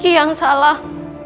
kiki yang salah